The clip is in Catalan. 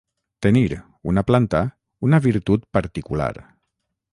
Tenir, una planta, una virtut particular.